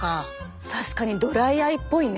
確かにドライアイっぽいね。